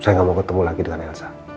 saya nggak mau ketemu lagi dengan elsa